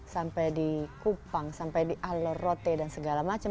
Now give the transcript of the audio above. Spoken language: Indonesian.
sampai di kupang sampai di alorote dan segala macam